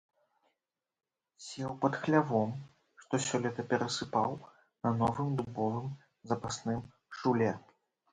Сеў пад хлявом, што сёлета перасыпаў, на новым дубовым запасным шуле.